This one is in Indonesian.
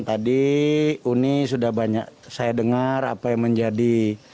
tadi uni sudah banyak saya dengar apa yang menjadi